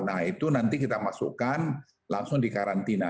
nah itu nanti kita masukkan langsung di karantina